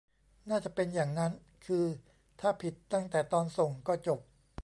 น่าจะเป็นอย่างนั้น คือถ้าผิดตั้งแต่ตอนส่งก็จบ